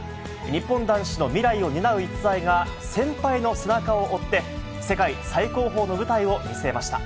日本男子の未来を担う逸材が、先輩の背中を追って、世界最高峰の舞台を見据えました。